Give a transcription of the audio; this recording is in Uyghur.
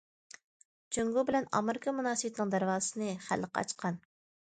جۇڭگو بىلەن ئامېرىكا مۇناسىۋىتىنىڭ دەرۋازىسىنى خەلق ئاچقان.